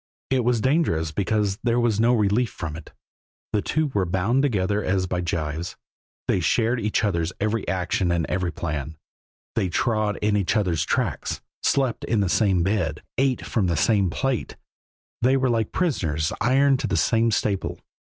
It was dangerous because there was no relief from it: the two were bound together as by gyves; they shared each other's every action and every plan; they trod in each other's tracks, slept in the same bed, ate from the same plate. They were like prisoners ironed to the same staple.